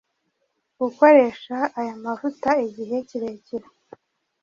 gukoresha aya mavuta igihe kirekire,